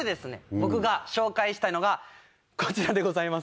僕が紹介したいのがこちらでございます。